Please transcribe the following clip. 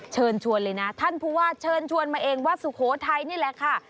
เชิญชวนเลยนะท่านผู้ว่าเชิญชวนมาเองว่าสุโขทัยนี่แหละค่ะ